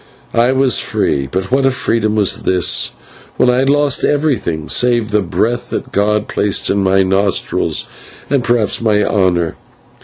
I was free; but what a freedom was this, when I had lost everything save the breath that God placed in my nostrils, and, perhaps, my honour.